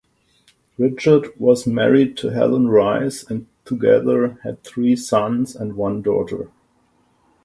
Richards was married to Helen Rice and together had three sons and one daughter.